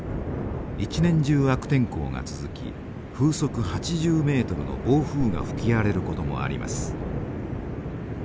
一年中悪天候が続き風速８０ｍの暴風が吹き荒れることもあります。